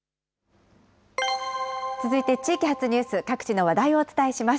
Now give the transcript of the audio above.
続いて地域発ニュース、各地の話題をお伝えします。